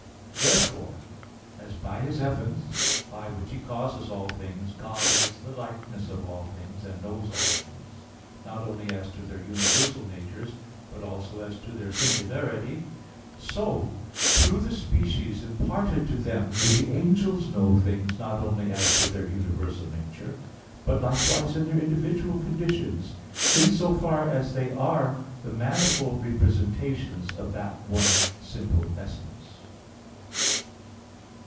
8). Therefore as by His essence, by which He causes all things, God is the likeness of all things, and knows all things, not only as to their universal natures, but also as to their singularity; so through the species imparted to them do the angels know things, not only as to their universal nature, but likewise in their individual conditions, in so far as they are the manifold representations of that one simple essence.